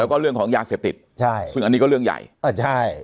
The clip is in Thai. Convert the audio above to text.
แล้วก็เรื่องของยาเสพติดใช่ซึ่งอันนี้ก็เรื่องใหญ่อ่าใช่